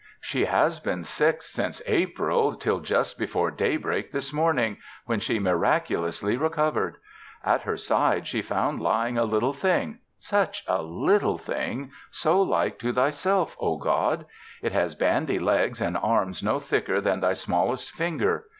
She has been sick since April till just before day break this morning, when she miraculously recovered. At her side she found lying a little thing such a little thing so like to Thyself, oh, God. It has bandy legs and arms no thicker than Thy smallest finger.